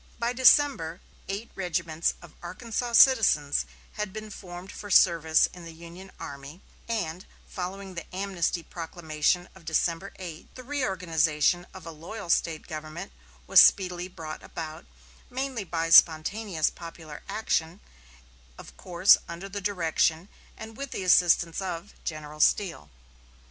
By December, eight regiments of Arkansas citizens had been formed for service in the Union army; and, following the amnesty proclamation of December 8, the reorganization of a loyal State government was speedily brought about, mainly by spontaneous popular action, of course under the direction and with the assistance of General Steele.